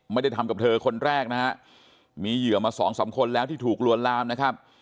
ไม่ได้ทำกับเธอคนแรกนะฮะมีเหยื่อมาสองสามคนแล้วที่ถูกลวนลามนะครับ